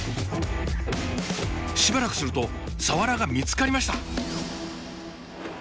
しばらくするとサワラが見つかりました。